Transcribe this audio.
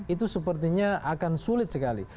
itu sepertinya akan sulit sekali